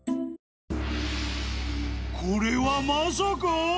［これはまさか］